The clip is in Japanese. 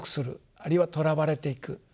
あるいはとらわれていく。